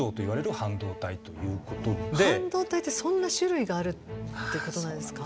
半導体ってそんな種類があるってことなんですか？